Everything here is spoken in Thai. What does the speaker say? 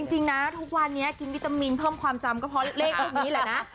จริงนะทุกวันนี้กินวิตามินเพิ่มความจำก็เพราะเลขรูปนี้แหละนะ